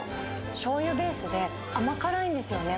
しょうゆベースで、甘辛いんですよね。